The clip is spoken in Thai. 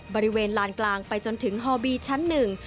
บริเวณลานกลางไปจนถึงฮอบีชั้นหนึ่ง